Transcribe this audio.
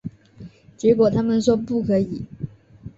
结果他们说不可以